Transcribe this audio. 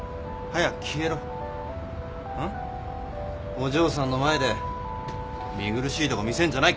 お嬢さんの前で見苦しいとこ見せんじゃない！